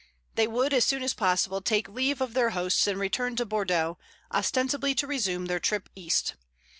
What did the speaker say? They would as soon as possible take leave of their hosts and return to Bordeaux, ostensibly to resume their trip east.